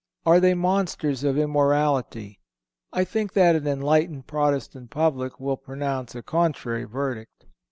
Are they monsters of immorality? I think that an enlightened Protestant public will pronounce a contrary verdict.